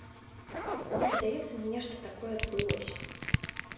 Мне падаецца, нешта такое адбылося.